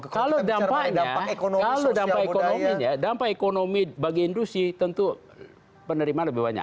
kalau dampaknya dampak ekonomi bagi industri tentu penerimaan lebih banyak